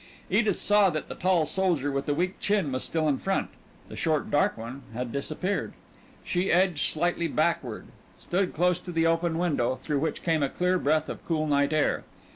Edith saw that the tall soldier with the weak chin was still in front. The short dark one had disappeared. She edged slightly backward, stood close to the open window, through which came a clear breath of cool night air.